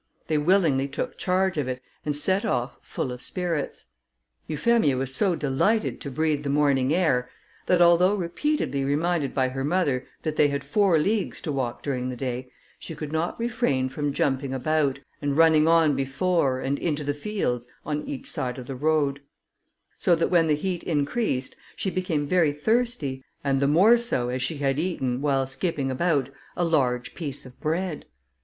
They willingly took charge of it, and set off full of spirits. Euphemia was so delighted to breathe the morning air, that, although repeatedly reminded by her mother that they had four leagues to walk during the day, she could not refrain from jumping about, and running on before, and into the fields, on each side of the road; so that when the heat increased, she became very thirsty, and the more so as she had eaten, while skipping about, a large piece of bread.